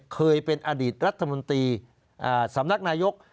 เคยเป็นอดีตรัฐมนตรีสำนักนายก